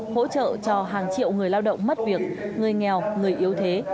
hỗ trợ cho hàng triệu người lao động mất việc người nghèo người yếu thế